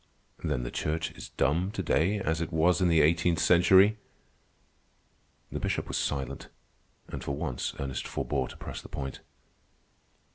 "Then the Church is dumb to day, as it was in the eighteenth century?" The Bishop was silent, and for once Ernest forbore to press the point.